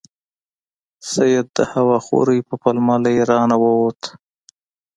سید د هوا خورۍ په پلمه له ایرانه ووت.